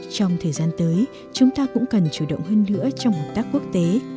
trong thời gian tới chúng ta cũng cần chủ động hơn nữa trong hợp tác quốc tế